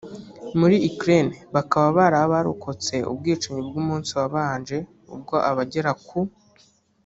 muri Ukraine bakaba bari abarokotse ubwicanyi bw’umunsi wabanje ubwo abagera ku